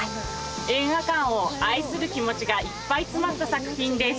映画館を愛する気持ちがいっぱい詰まった作品です。